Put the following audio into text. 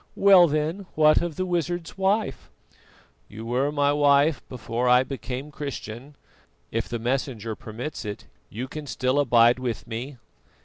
"Well, then, what of the wizard's wife?" "You were my wife before I became Christian; if the Messenger permits it, you can still abide with me."